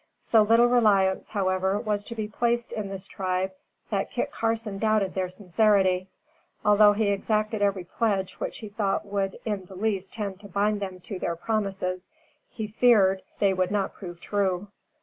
So little reliance, however, was to be placed in this tribe, that Kit Carson doubted their sincerity; although he exacted every pledge which he thought would in the least tend to bind them to their promises, he feared they would not prove true.